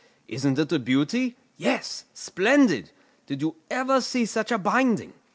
"Isn't it a beauty? Yes; splendid! Did you ever see such a binding?